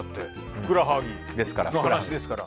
ふくらはぎの話ですから。